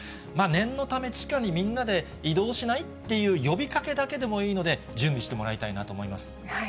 念のため、地下にみんなで移動しない？っていう呼びかけだけでもいいので、準備してもらいたいなと思います。